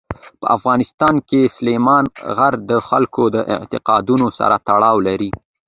په افغانستان کې سلیمان غر د خلکو د اعتقاداتو سره تړاو لري.